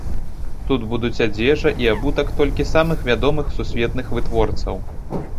Тут будуць адзежа і абутак толькі самых вядомых сусветных вытворцаў.